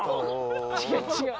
違う違う。